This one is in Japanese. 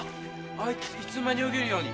あいついつの間に泳げるように？